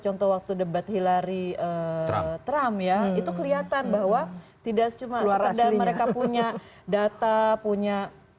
contoh waktu debat hillary trump ya itu kelihatan bahwa tidak cuma sekedar mereka punya data punya